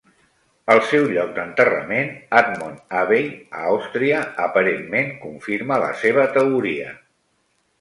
El seu lloc d'enterrament, Admont Abbey a Austria, aparentment confirma la seva teoria.